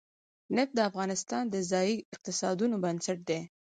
نفت د افغانستان د ځایي اقتصادونو بنسټ دی.